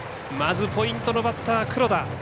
まずポイントのバッター、黒田。